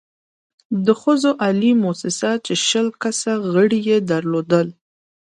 د ښځو عالي مؤسسه چې شل کسه غړې يې درلودل،